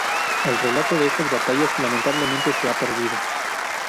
El relato de estas batallas lamentablemente se ha perdido.